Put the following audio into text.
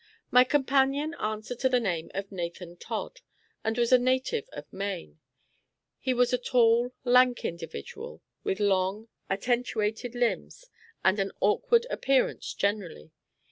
My companion answered to the name of Nathan Todd, and was a native of Maine. He was a tall, lank individual, with long, attentuated limbs and an awkward appearance generally.